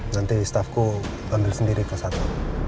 nanti stafku ambil sendiri ke satu